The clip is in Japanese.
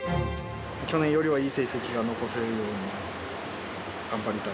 去年よりはいい成績が残せる